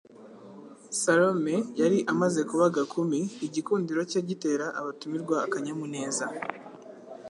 Salome yari amaze kuba agakumi; igikundiro cye gitera abatumirwa akanyamuneza.